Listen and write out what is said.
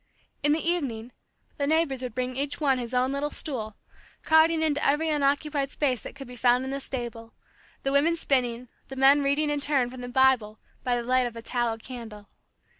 In the evening, the neighbors would bring each one his own little stool, crowding into every unoccupied space that could be found in the stable; the women spinning, the men reading in turn from the Bible by the light of a tallow candle.